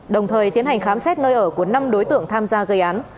đồng thời tiến hành khám xét nơi ở của năm đối tượng tham gia gây án